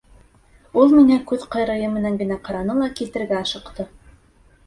Ул миңә күҙ ҡырыйы менән генә ҡараны ла китергә ашыҡты.